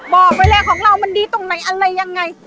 บอกไปเลยของเรามันดีตรงไหนอะไรยังไง